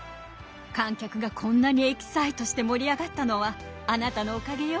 観客がこんなにエキサイトして盛り上がったのはあなたのおかげよ。